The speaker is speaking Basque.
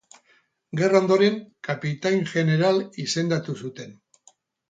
Gerra ondoren, kapitain-jeneral izendatu zuten.